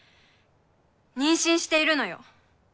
妊娠しているのよ。